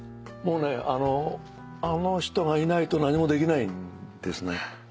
もうねあのあの人がいないと何もできないんですね。